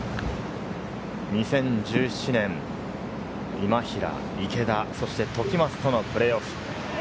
２０１７年、今平、池田、そして時松とのプレーオフ。